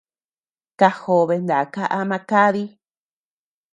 Kajobe naka ama kadi.